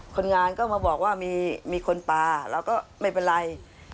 คนงานก็มาบอกว่ามีคนปลาเราก็ไม่เป็นไร